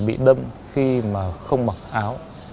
mà bị đâm khi mà không mặc áo